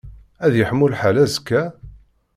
Ad yeḥmu lḥal azekka?